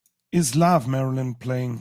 Is Love, Marilyn playing